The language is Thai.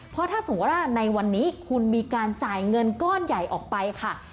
เพราะถ้าสมมุติว่าในวันนี้คุณมีการจ่ายเงินก้อนใหญ่ออกไปค่ะ